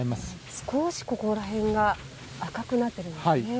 少しここら辺が赤くなっていますね。